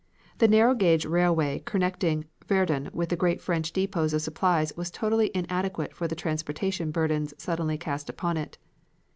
The narrow gauge railway connecting Verdun with the great French depots of supplies was totally inadequate for the transportation burdens suddenly cast upon it.